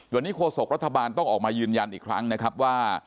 วันนี้โฆษกรัฐบาลต้องออกมายืนยันอีกครั้งนะครับว่า